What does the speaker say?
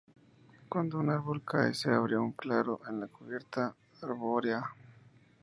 Cuando un árbol cae, se abre un claro en la cubierta arbórea.